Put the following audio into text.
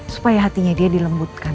supaya hatinya dia dilembutkan